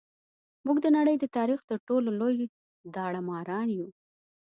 موږ د نړۍ د تاریخ تر ټولو لوی داړه ماران یو.